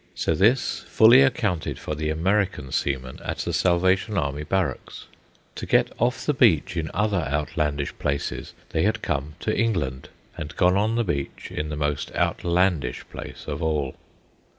So this fully accounted for the American seamen at the Salvation Army barracks. To get off the beach in other outlandish places they had come to England, and gone on the beach in the most outlandish place of all.